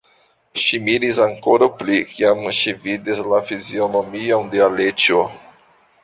Ŝi miris ankoraŭ pli, kiam ŝi vidis la fizionomion de Aleĉjo.